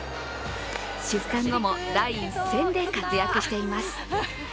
出産後も第一線で活躍しています。